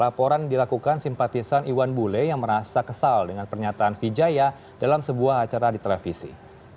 laporan dilakukan simpatisan iwan bule yang merasa kesal dengan pernyataan vijaya dalam sebuah acara di televisi